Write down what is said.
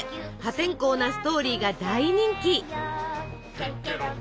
破天荒なストーリーが大人気！